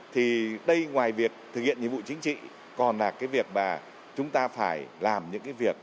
thì đây ngoài việc thực hiện nhiệm vụ chính trị còn là cái việc mà chúng ta phải làm những cái việc